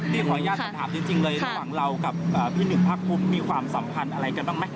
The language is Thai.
ขออนุญาตสอบถามจริงเลยระหว่างเรากับพี่หนึ่งพักพบมีความสัมพันธ์อะไรกันบ้างไหม